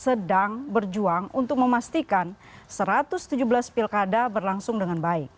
sedang berjuang untuk memastikan satu ratus tujuh belas pilkada berlangsung dengan baik